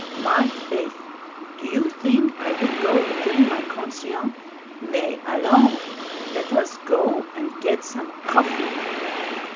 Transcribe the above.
My faith! do you thing I would go again' my conscien'? Mais allons, led us go and ged some coffee."